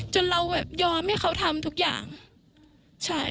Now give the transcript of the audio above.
จนเราแบบยอมให้เขาทำทุกอย่างใช่